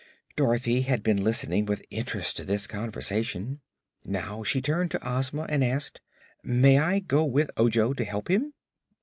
Dorothy had been listening with interest to this conversation. Now she turned to Ozma and asked: "May I go with Ojo, to help him?"